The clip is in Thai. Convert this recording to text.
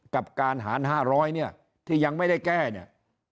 กับการหาร๕๐๐เนี่ยที่ยังไม่ได้แก้เนี่ย